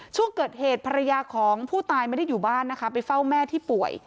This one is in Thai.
ช่วงเกิดเหตุภรรยาของผู้ตายไม่ได้อยู่บ้านนะคะไปเฝ้าแม่ที่ป่วย